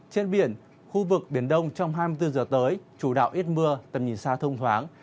trên biển khu vực biển đông trong hai mươi bốn giờ tới chủ đạo ít mưa tầm nhìn xa thông thoáng